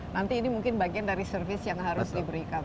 nanti ini mungkin bagian dari service yang harus diberikan